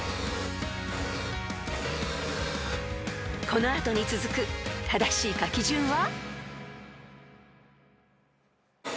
［この後に続く正しい書き順は？］